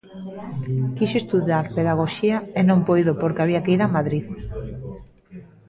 Quixo estudar Pedagoxía e non puido porque había que ir a Madrid.